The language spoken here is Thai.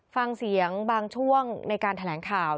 ฟังเสียงบางช่วงในการแถลงข่าว